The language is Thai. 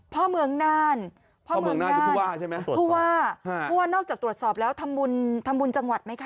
อ๋อพ่อเมืองนานพ่อเมืองนานคือภูวาใช่ไหมภูวาภูวานอกจากตรวจสอบแล้วทำบุญจังหวัดไหมคะ